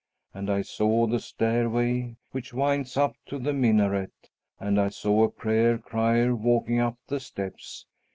And I saw the stairway which winds up to the minaret, and I saw a prayer crier walking up the steps.